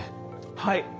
はい。